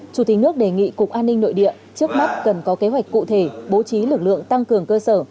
chủ tịch nước đề nghị cục an ninh nội địa trước mắt cần có kế hoạch cụ thể bố trí lực lượng tăng cường cơ sở